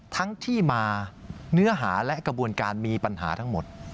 ทั้งที่มาเนื้อหาและกระบวนการมีปัญหาทั้งหมด